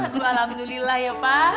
alhamdulillah ya pak